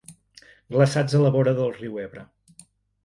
Glaçats a la vora del riu Ebre.